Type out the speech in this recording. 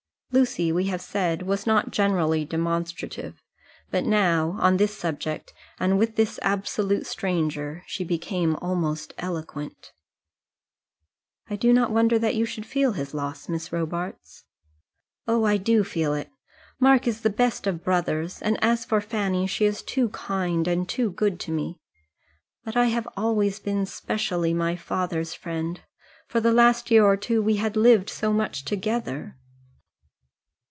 Lucy, we have said, was not generally demonstrative, but now, on this subject, and with this absolute stranger, she became almost eloquent. "I do not wonder that you should feel his loss, Miss Robarts." "Oh, I do feel it. Mark is the best of brothers, and, as for Fanny, she is too kind and too good to me. But I had always been specially my father's friend. For the last year or two we had lived so much together!"